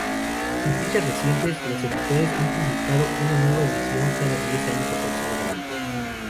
En fechas recientes, los editores han publicado una nueva edición cada diez años, aproximadamente.